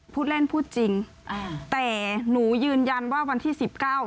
พูดเล่นพูดจริงอ่าแต่หนูยืนยันว่าวันที่สิบเก้า